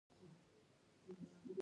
نور نو سه ووايم